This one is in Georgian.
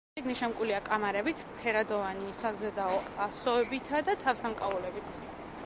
წიგნი შემკულია კამარებით, ფერადოვანი საზედაო ასოებითა და თავსამკაულებით.